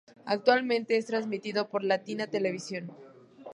Actualmente es transmitido por Latina Televisión.